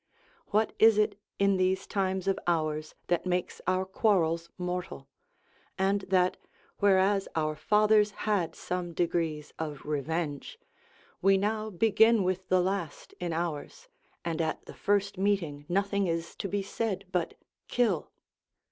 What is it in these times of ours that makes our quarrels mortal; and that, whereas our fathers had some degrees of revenge, we now begin with the last in ours, and at the first meeting nothing is to be said but, kill?